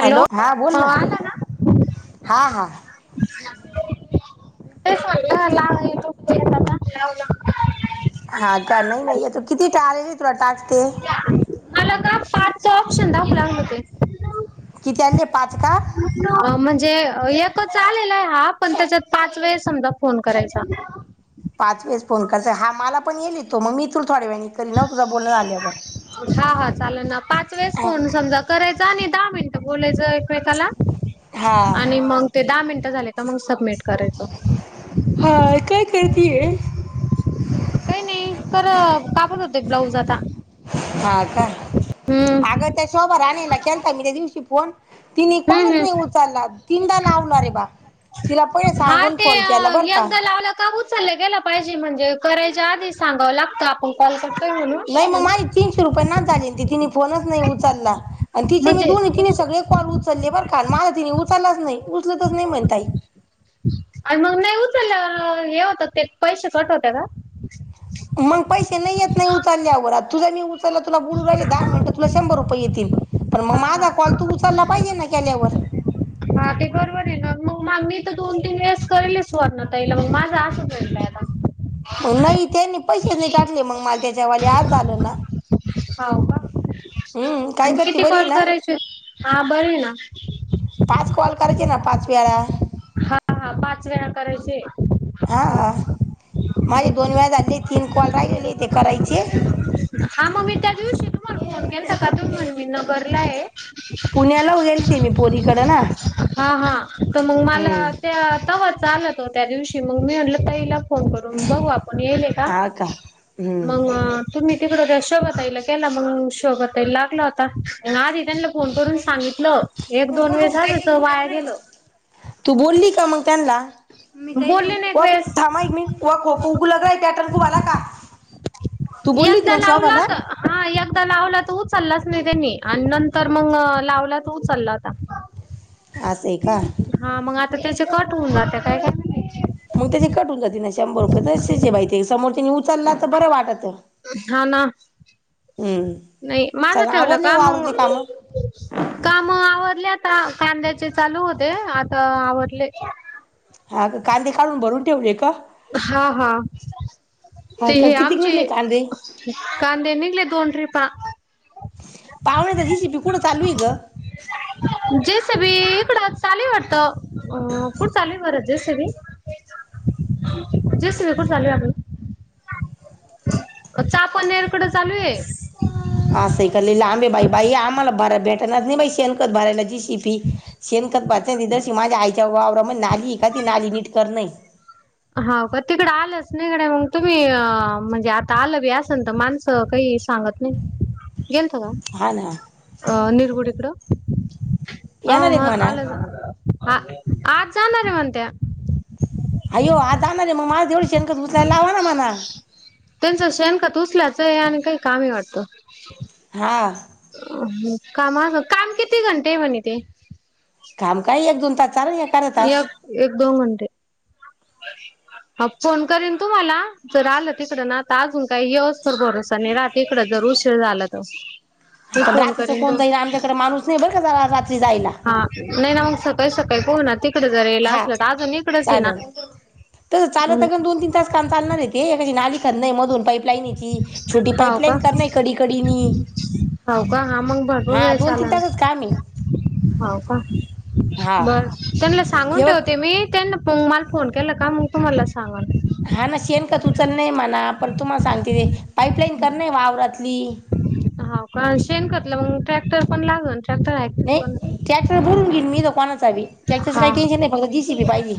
Hello हा बोल ना हा हा [unintelligible] लावला हा का नाही-नाही आता किती टाली वाटत आज. मला का पाच सब संडास लाल होते किती आणले पाच का? ते एकच आलेलाय हा पण त्याच्यात पाच वेळ समजा फोन करायचा पाच वेळेस फोन करायचा हा मला पण मी लिहितो मग मी तु हा हा चालेल ना पाच वेळेस फोन समजा करायचा आणि दहा मिनट बोलायचं एकमेकाला हा आणि मंग ते दहा मिनिटं झाले का मग सबमिट करायचं हा काय करतीये [unintelligible] मी करत कापत होते ब्लाऊज आता हा का? हम्म आगं त्या शोब राणेला केलता मीे त्या दिवशी फोन तिनी हम्म कॉलच हम्म नाही उचलला तिनदा लावला रे बा तिला पैलं हा सांगून फोन केला बर का चाल्लं गेलं पाहिजे म्हणजे करायच्या आधी सांगावं लागतं आपण कॉल कर नाही मग माझे तीनशे रुपये ना. पाणी आणती की, मी फोनच नाही उचलला. आणि तिचे मी म्हणजे दोनी-तिनी सगळे कॉल उ उचलली बर का माझा तिनी उचललाच नाई उचलतच नाही म्हण ताई. आणि मग नाही हे होतात ते पैसे कट होतात का? मग पैसे नाई येत नाइ उचलल्यावर आत तुझा मी उचलला तुला बोलू राहिले दहा मिनटं तुला शंभर रुपय येतील पण मग हा हा. माझा कॉल तू उचलला पाहिजे ना केल्यावर. हा ते बरोबर आहे ना मग, मग मी तर दोन तीन वेळेस करेनच सुवर्णाताईला मग माझं असंच होऊन जाई मग अहो नाही तेंनी पैसे नाही टाकले. मग मला त्याच्या वाले आज आलं ना. हाव का? हम्म काय आणि करते किती बरी आहे कॉल ना करायचे हा करीन ना पाच कॉल करायची ना. पाच वेेळा हा हा पाच वेळा करायचे. हा माझे दोन वेळा झाले तीन कॉल राहिलेले ते करायचे हा मग मी त्या दिवशी तुम्हाला फोन केलता का तुम्ही म्हणली नगरला आहे. पुण्याला गेलते मी पोरीकडे ना त हम्म त्या तवर चालतो त्या दिवशी मग मी म्हणलं ताईला फोन करून बघू आपण यायले का, हा मग हम्म तुम्ही तिकड त्या शबा पहिला केला मग शोभताईला लागला होता. आधी त्यां फोन करून सांगितलं एक दोन वेळेसचच वाया गेलं. तू बोलली का मग त्यांना [unintelligible] बोलले ना एक वेळेस तू बोलली होती मग एकदा ना लावला शोभाला तर हा एकदा लावला तर उचललाच नाही त्यांनी आणि नंतर मग लावला त उचलला आता आसय का आता त्याचे कट होऊन जात्यात. [unintelligible] मग त्याची कटून जाते ना शंभर रुपये तसंच हे बाई ते समोरच्यानि उ हा ना हम्म नाही माझ चला ठेवलं आवरले काम मग वावरातले मी काम काम आवरल्यात. आता कांद्याचे चालू होते आता आवडले. हा कांदे काढून भरून ठेवले का? हा हा हा ते का हे किती आमचे निघले कांदे कांदे निघले दोन ट्रीप [unintelligible] पावण्याचा जीसीपी कुठं चालू आहे ग? जेसबी इकडं चाले वाटत अ कुठ चालू भरत जेसवी जेसीवी कुठ चालू वाट पण चहापाणी ईकडं चालू आहे. असं काले लांबे बाई बाई आम्हाला भय भेटाणार नाही बाई शेणकत भरायला जी [unintelligible] त्या वावरामधी नाली है का ती नाली निट कर नाही. हाव का? तिकड आलंच नाहीकडे मग तुम्ही अ म्हणजे आता आलं बी असल तर माणसं काही सांगत नाही. हा ना [unintelligible] ह येणार एक हा म्हणा आलं आ आज जाणार हे व्हय त्या अय्यो आज जाणार मग माझं पण शेणखत उचलायला लावा ना मला त्यांच शेणखत उचलयाचं आणि काही काम आहे वाटतं हा कामाच काम किती घंटे म्हणे ते काम काय एक दोन तास चालेल एखादा तास एक एक दोन घंटे. हा फोन करेन तुम्हाला जर आलं तिकड ना तर अजून काही यवस तर भरवसा नाही राहति इकड जर उशीर झाला तर. मी आपण फोन रात्रीच करीन तो कोणतही आमच्याकडे माणूस नाही बर का जला रात्री जायला हो ना ते इकड जरायला असलं तर अजून इकडच ये ना तर चालता का दोन तीन तास काम चालणार ते हे नाली चाललय मधून पापलाईनची छोटी हाव का पाईपलाईन कर नाही खडी खडीनी हाव का हा मग भरपूर वेळ चालल हो का हा बर सांगून हे बघ ठेवते मी ते त्यांनी पग मला फोन केला का मग तुमला सांगन हा ना शेणखत उचल नाही मणा पण तुम्हा सांगते पाईपलाईन कर नई वावरातली हौ का शेणखतलं मग ट्रॅक्टर पण लागल ट्रॅक्टर आहे का कोण नाही ट्रॅक्टर भरून घेईल मी दुकान चावी त्याच्याच हा काही टेन्शन नाही फक्त जीसीपी पाहिजे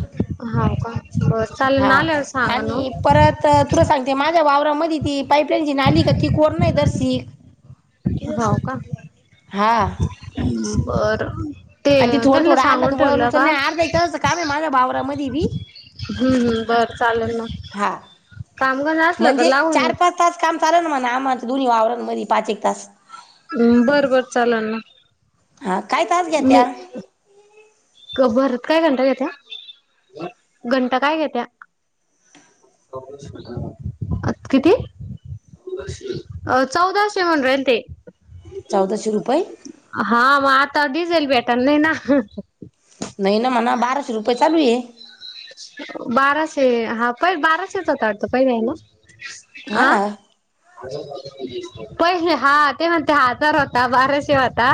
हाव का बरं चालेल हा ना आल्यावर सांगा न आणि ओ. परत तुरस सांगते माझ्या वावरामध्ये ती पाईपलाईनची नाली का ती कोर नाही दर्शिक हाव का हा हेच समर बरं आणि ते थोडं त्यांना थोडं सांगून आलं वळ ठेवलं उचल का नाही अर्धा एक तासच काम आहे माझ्या भावरामध्ये बी हम्म हम्म बरं चालेल ना हा कामगार असलं का म्हणजे लावून चार पाच तास काम कारण म्हणा माझं दोन्ही वावरण मधी पाच एक तास हं बर बर चालल ना हा काय तास घेत्या मी भरत काय घंटा घेत्या घंटा काय घेत्या किती चौदाशे म्हणरल ते चौदाशे रुपये हा म आता डिझेल भेट त्यांनी ना नाही ना म्हणा बाराशे रुपये चालू आहे बाराशे हा पहि बाराशेच होता पहिले आहे ना हा आ पहिले हा ते म्हणते हजार होता बाराशे होता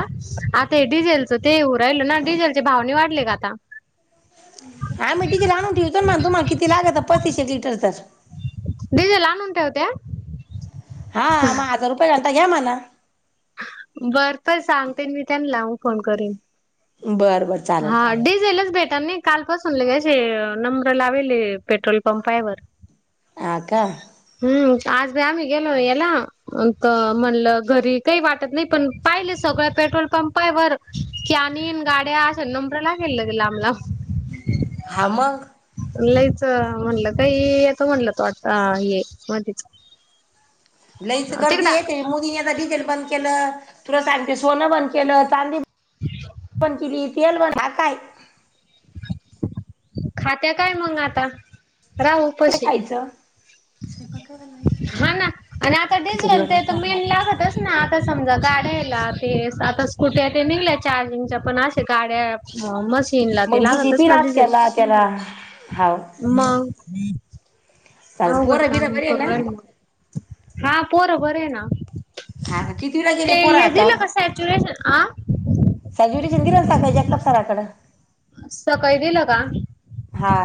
आता डिझेलच ते उ राहिल ना डिझेलचे भावने वाढले का आता हा मिट्टीची रान होती पण तुम्हा किती लागत पस्तीस एक लिटरचं. [inaudible] डीजेल आनून ठेवत्या हा म हजार रुपय घाल. त घ्या मला. बरं तर सांगते मी त्यांनला लावू फोन करिन. बरं बरं चालेल हा डीझेलच भेट नाई. कालपासून लगे असे नंबर लावेले पेट्रोल पंपायवर. आ का. हम्म आज आमी गेलो येला. म्हणलं घरी काही वाट त नई पण पाहिले सगळ्या पेट्रोल पंपायवर की आनिन गाड्या असा नंब्र लागेल ल लाम लाम. हा मंग. लयच म्हणलं काई येतो म्हणलं. [inaudible] लईच गर्दी तिकडा येते मोदींनी आता डिझेल बंद केलं. तुला सांगते सोनं बंद केलं चांदी पण केली येल [unintelligible] हा काय. खात्या काय मंग आता. रा उपशी. खायचं हा ना आणि आता खिचडी डिझेल ते बनवायची तर आपल्या मेन आज मस्त लागतच ना आता. समजा गाड्याला ते सा आता स्कुट्या तेन निघल्या चार्जिंगच्या पण अशा गाड्या मस्त चीन ला ते मग जी सी लागतच पी ना लाच डिझेल केला त्याला हाव मग अ अवघड पोर बीर काम बरीए करू ना? राहिल मग हा पोर बर हे ना. हा का कितवीला ते गेले पोरं हे आता? दिलं का सॅट्यूरेशन आं. साजूरी शिंदिरा साखळी जगताप सराकडं. सकाळी गेलं का? हा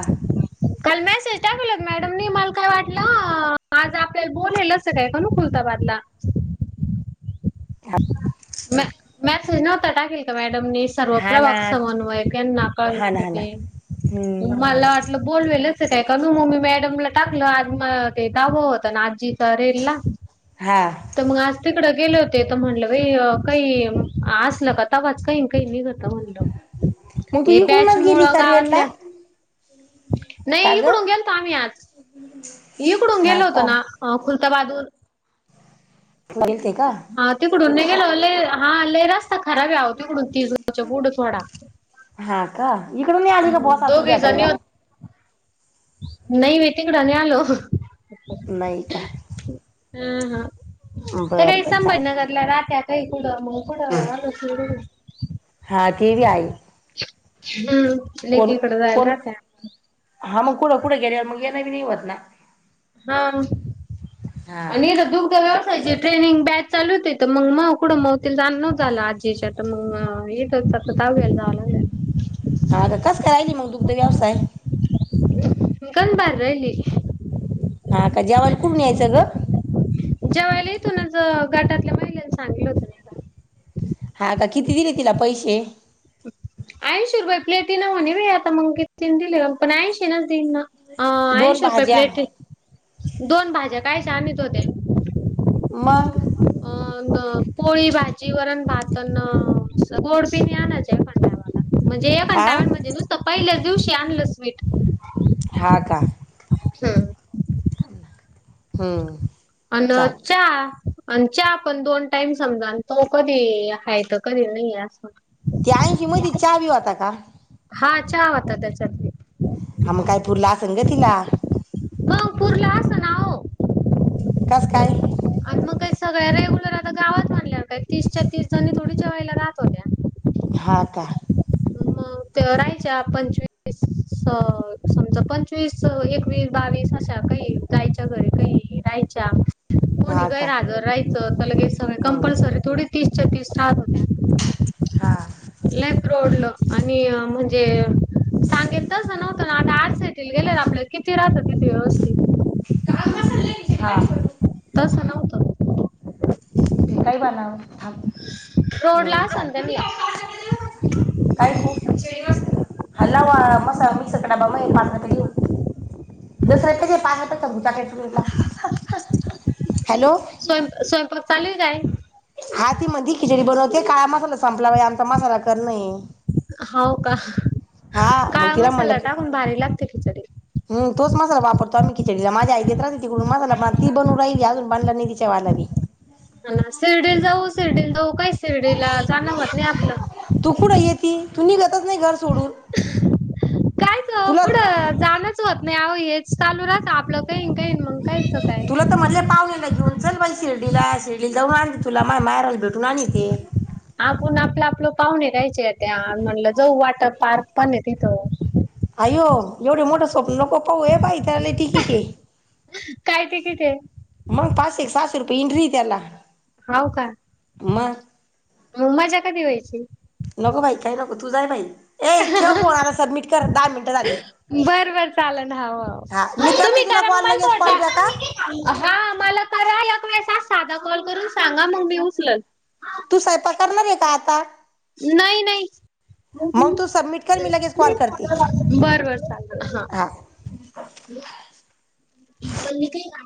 काल मेसेज टाकलत मॅडम नी मला काय वाटलं आज आपल्याला बोललेलच काय कनु कुलताबादला. म मॅसेज नव्हता टाकेल का मॅडमनी. सर्व हा ना प्रवाक समन्वय त्यांना हा कळवित ना हा ना होते हम्म मला वाटलं बोलवेल काय करु मी मग मी मॅडमला टाकलं आज मग ते दावं होतं ना आजीच रेलला हा तर मंग आज तिकडं गेले हुते तर म्हणलं बाई काई आसल का तवाच काई न काई निघत म्हणलं. मग तू हे बॅच इकडूनच मुळ गेली का रेन ला गावातल्या नाही इकडून गेलतो आम्ही आज इकडून हा गेलो होतो का ना अं खुल्ता बहादूर नगिल हा तिकडून ने गेलो लय हा लय रास खराब आहे ओ तिकडून होती हा का? इकडून नाही [unintelligible] आली का बुवा दोघी सासूला जनी भेटायला? नई मी तिकडं नई आलो नाही का हम हा ते बरं काय बरं संबाजी चालेल. नगरला राहत्यात [unintelligible] त मंग कुंड [unintelligible] [unintelligible] हा ते बी हाय [inaudible] रिकामा ऑडिओ लेकीकड राहायला [unintelligible] कुडं कुंड गेल्यावर मग येन बी नाही होत ना हा हा. आणि दुग्धव्यव त्याजी ट्रेनिंग बॅच चालू होती त मव कुडं मवतीला जायल नव्हतं झालं आजीच्या तर मग येतचता [unintelligible] जावं लाग हा ग कस काय आयली मंग दुग्ध व्यवसाय सण बार रयली हा का जेवला कुटून यायचं ग जेवायला येतो ना ज गटातल्या महिलेन सांगिलं होत नाही का हा का किती दिले तिला पैसे? ऐंशी रुपये प्लेटी ना म्हणे बाय आता मग कितीन दिले पण ऐंशी नच देई ना अं दोन ऐंशी रुपये भाज्या प्लेटी दोन भाज्या काय सामित होते [inaudible] रिकामा ऑडिओ अं अं पोळी भाजी वरण भात अन गोडपीन आणायच्या एखांद टाईमाला म्हणजे आ कंटाळून म्हणजे नुसतं पयलच तुलशी आणलं स्वीट हा का हूं हं अन चा आन चहा आपण दोन टाईम समजा न तो कधी हाय तर कधी नइये असं त्या ऐंशी मधी च्या बी होता का? हा चहा होता त्याच्यातले. हा मग काय पुरलं असन इ तिला. गाव पुरलं असंना ओ. कस काय? मग काही सगळ्या रेग्युलर आता गावात म्हनल्या काही तीसच्या तीस जणी थोडी जेवायला रहात होत्या. हा का? मग त्या रहायच्या पंचवीस अं समजा पंचवीस एकवीस बावीस अशा काही जायच्या घरी काही रहायच्या. कोणी हा का राग राही चल. लगेच सवय हम्म कंपलसरी थोडीच तीसच्या तीस साठ होत्यात. हा लेफ्ट रोडलो आणि म्हणजे सांगेल तस नव्हतं ना. आता आठ स येट गेले आपल्या कि ती राहतात म्हटलं व्यवस्थित. हा. तस नव्हतं. फिकाई बनाव. थांब रोडला हम्म असन त्यांनला चालतंय. हा लवा मसाला मिक्सरचं डबा माहीत पातं [unintelligible] घेऊ. हॅलो स्वयं स्वयंपाक चालेल काय? हा ती म्हणती खिचडी बनवते काय मसाला संपला बाई आमचा मसाला करणे. हावं का? मग काळा तिला म्हणलं मसाला की टाकून भारी लागते खिचडी. हम्म तोच मसाला वापरतो आम्ही खिचडीला माझी आई म्हणला तिच्या [unintelligible] काय शिरडीला जाण होत नाही आपलं. तू कुठं येती तू निघतच नाही घर सोडून कायच तुला कुठं जाणच होत नाही हेच चालू राहत आपलं काहीन काहीन. तुला तर म्हणले पावनेला घेऊन चल बाई शिर्डीला शिर्डी जाऊन आण तुला माय माहेराला भेटून आनीती. आपुन आपलं आपलं पाहुणे घ्यायचे. त्या म्हणलं जाऊ वॉटर पार्क पण आहे तिथं. अयो एवढे मोठं नको पाहू ए बाई. झालेत किती काय तिकीट आहे मग पाच एक सा तरीपण इनरी त्याला हाव का मग मग मजा कधी होईल? [inaudible] नको बाई काय नको तू जाय बाई. ए ठेव फोन आता सबमिट कर दहा मिनिटं झाले. बर बर चालन हव हा मी हव तुम्ही करते तुला करा कॉल मग लगेच कॉल बॅक हा. [unintelligible] हा मला करा [unintelligible] साधा कॉल करून सांगा मग मी उचलन. तू सयपाक करणार आहे का? नाही नाही. आव तसं बर बर चाल हा [unintelligible]